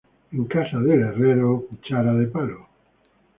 En casa del herrero, cuchara de palo